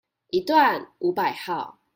一段五百號